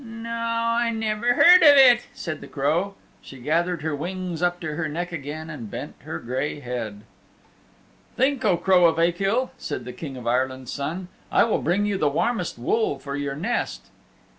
No, I never heard of it," said the Crow. She gathered her wings up to her neck again and bent her gray head. "Think, O Crow of Achill," said the King of Ireland's Son. "I will bring you the warmest wool for your nest."